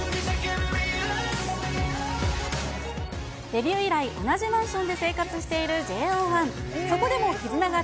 デビュー以来、同じマンションで生活しているＪＯ１。